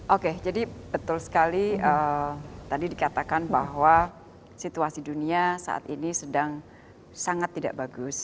oke jadi betul sekali tadi dikatakan bahwa situasi dunia saat ini sedang sangat tidak bagus